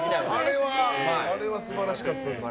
あれは素晴らしかったです。